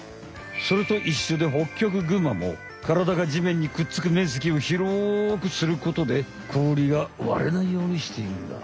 それといっしょでホッキョクグマもカラダがじめんにくっつく面積を広くすることで氷が割れないようにしているんだ。